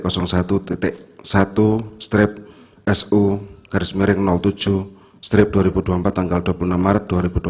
satu strip su garis miring tujuh strip dua ribu dua puluh empat tanggal dua puluh enam maret dua ribu dua puluh